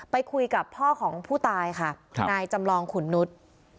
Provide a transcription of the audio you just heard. ไปคุยกับพ่อของผู้ตายค่ะนายจำลองขุนนุษย์